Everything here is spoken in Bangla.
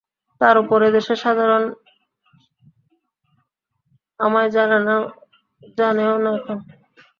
তার ওপর এদেশে সাধারণে আমায় জানেও না এখন।